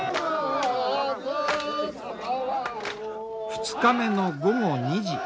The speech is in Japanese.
２日目の午後２時。